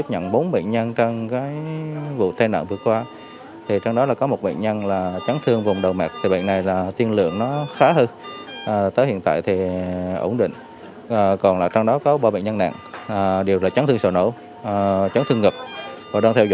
hai bệnh nhân chết thương ngực đã được dẫn lưu bằng phởi